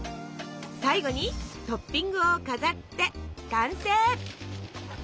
最後にトッピングを飾って完成。